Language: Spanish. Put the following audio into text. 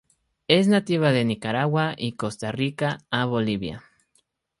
Es nativa de Nicaragua y Costa Rica a Bolivia.